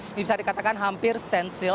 ini bisa dikatakan hampir stensil